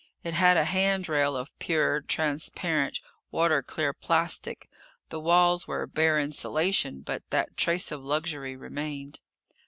It had a handrail of pure, transparent, water clear plastic. The walls were bare insulation, but that trace of luxury remained.